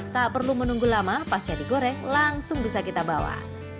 tak perlu menunggu lama pas jadi goreng langsung bisa kita bawa